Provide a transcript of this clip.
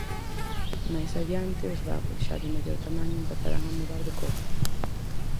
Máis adiante os bagos, xa de maior tamaño, empezarán a mudar de cor.